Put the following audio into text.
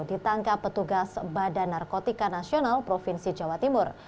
ditangkap petugas badan narkotika nasional provinsi jawa timur